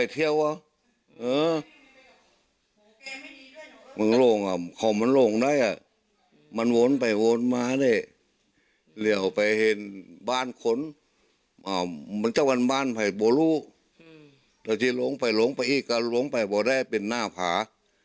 ถ้าจะหลงไปหลงไปอีกก็หลงไปไม่ได้เป็นหน้าผา